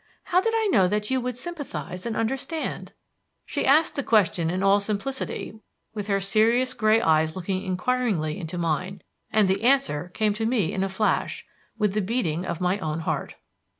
How did I know that you would sympathize and understand?" She asked the question in all simplicity with her serious gray eyes looking inquiringly into mine. And the answer came to me in a flash, with the beating of my own heart.